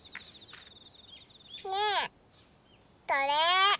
ねえこれ。